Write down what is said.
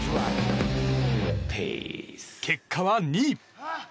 結果は２位。